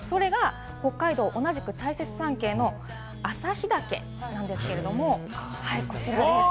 それが北海道同じく、大雪山系の旭岳なんですけれども、こちらです。